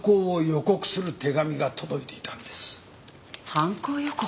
犯行予告？